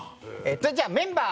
それじゃあメンバー。